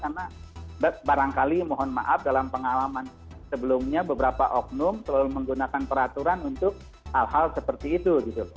karena barangkali mohon maaf dalam pengalaman sebelumnya beberapa oknum selalu menggunakan peraturan untuk hal hal seperti itu gitu